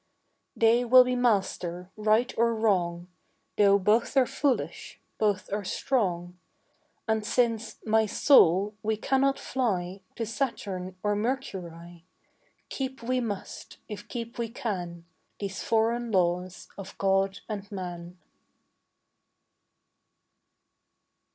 They will be master, right or wrong; Though both are foolish, both are strong, And since, my soul, we cannot fly To Saturn or Mercury, Keep we must, if keep we can, These foreign laws of God and man.